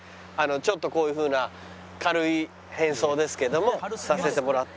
ちょっとこういうふうな軽い変装ですけどもさせてもらって。